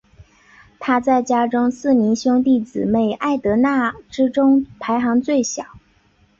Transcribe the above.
她在家中四名兄弟姊妹艾德娜之中排行最小。